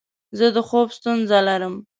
زه د خوب ستونزه لرم.